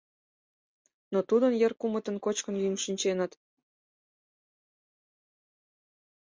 Но тудын йыр кумытын кочкын-йӱын шинченыт.